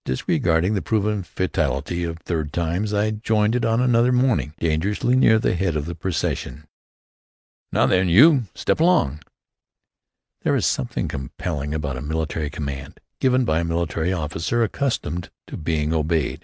Disregarding the proven fatality of third times, I joined it on another morning, dangerously near to the head of the procession. "Now, then, you! Step along!" There is something compelling about a military command, given by a military officer accustomed to being obeyed.